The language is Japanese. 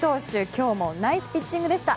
今日もナイスピッチングでした。